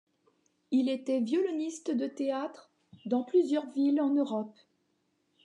Il était violoniste de théâtre dans plusieurs villes en Europe.